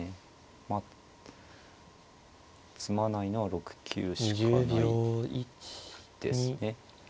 まあ詰まないのは６九しかないですね。